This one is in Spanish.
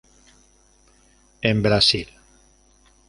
En Brasil.